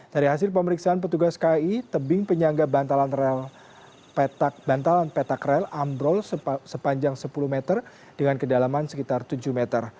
dari hasil pemeriksaan petugas ki tebing penyangga bantalan bantalan petak rel ambrol sepanjang sepuluh meter dengan kedalaman sekitar tujuh meter